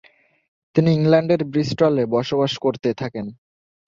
তিনি ইংল্যান্ডের ব্রিস্টলে বসবাস করতে থাকেন।